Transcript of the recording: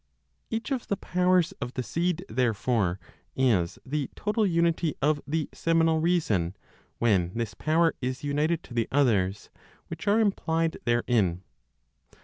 Each of the powers of the seed, therefore, is the total unity of the seminal reason when this power is united to the others which are implied therein.